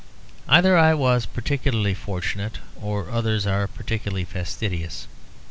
Either I was particularly fortunate or others are particularly fastidious.